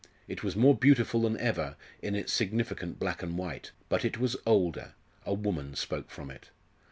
It was more beautiful than ever in its significant black and white, but it was older a woman spoke from it.